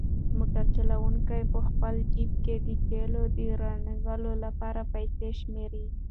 موټر چلونکی په خپل جېب کې د تېلو د رانیولو لپاره پیسې شمېري.